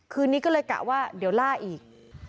คืนนี้ก็เลยกะว่าเดี๋ยวล่าอีก